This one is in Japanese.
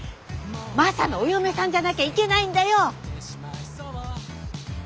マサのお嫁さんじゃなきゃいけないんだよ！